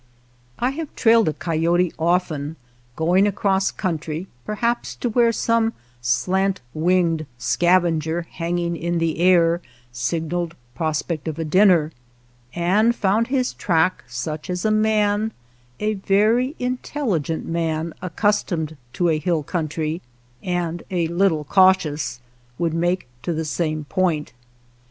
I have trailed a coyote often, going across country, perhaps to where some slant winged scavenger hanging in the air sig naled prospect of a dinner, and found his track such as a man, a very intelligent man accustomed to a hill country, and a little cautious, would make to the same point.